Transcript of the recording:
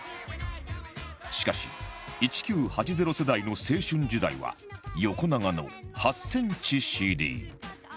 しかし１９８０世代の青春時代は横長の８センチ ＣＤ